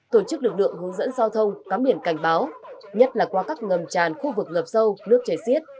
tổ chức lực lượng hướng dẫn giao thông cắm biển cảnh báo nhất là qua các ngầm tràn khu vực ngập sâu nước chảy xiết